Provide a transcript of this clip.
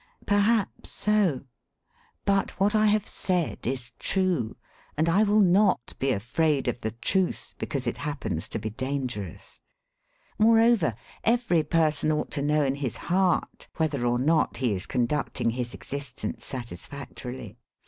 Perhaps so; but what I have said is true, and I will not be afraid of the truth because it happens to be dangerous. Moreover, every per son ought to know in his heart whether or not he is conducting hJs existence satisfactorily.